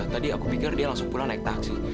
tadi aku pikir dia langsung pulang naik taksi